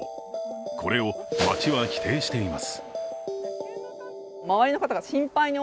これを町は否定しています。